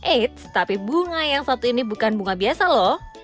eits tapi bunga yang satu ini bukan bunga biasa loh